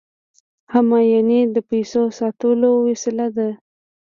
همیانۍ د پیسو د ساتلو وسیله ده